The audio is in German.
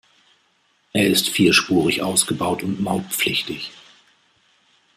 Er ist vierspurig ausgebaut und mautpflichtig.